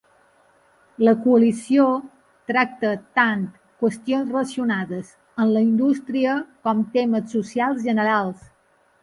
La coalició tracta tant qüestions relacionades amb la indústria com temes socials generals.